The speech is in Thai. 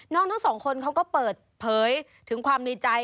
ทั้งสองคนเขาก็เปิดเผยถึงความดีใจ